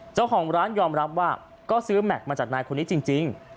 เจ้าของร้านยอมรับว่าก็ซื้อแม็กซ์มาจากนายคนนี้จริง